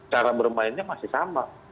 cara bermainnya masih sama